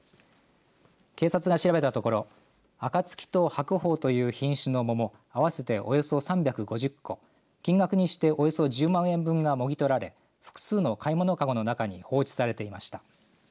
警察が調べたところあかつきと白鳳という品種の桃合わせておよそ３５０個金額にして、およそ１０万円分がもぎ取られ複数の買い物かごの中に放置されていました。